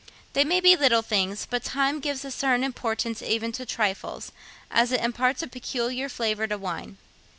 They may be little things, but time gives a certain importance even to trifles, as it imparts a peculiar flavour to wine.